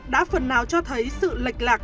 đã phần nào cho thấy sự lệch lạc